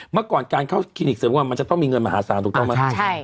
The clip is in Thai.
เมื่อก่อนการเข้าคลินิกเสริมความมันจะต้องมีเงินมหาศาลถูกต้องไหม